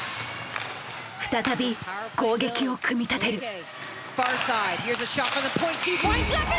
再び攻撃を組み立てる。